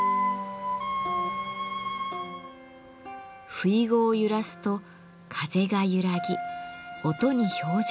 ふいごを揺らすと風が揺らぎ音に表情が生まれます。